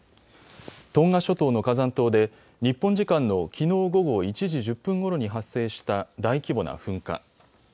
トンガ諸島の火山島で日本時間のきのう午後１時１０分ごろに発生した大規模な噴火。